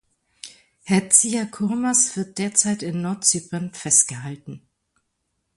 Herr Tsiakourmas wird derzeit in Nordzypern festgehalten.